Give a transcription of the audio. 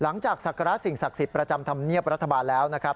หลังจากศักราชสิ่งศักดิ์สิทธิ์ประจำทำเงียบรัฐบาลแล้วนะครับ